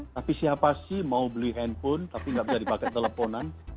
tapi siapa sih mau beli handphone tapi nggak bisa dipakai teleponan